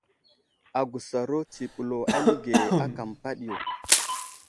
Agusaro tsiɓlo alige áka məpaɗiyo.